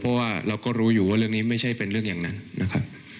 เพราะว่าเราก็รู้อยู่ว่าเรื่องนี้ไม่ใช่เป็นเรื่องอย่างนั้นนะครับ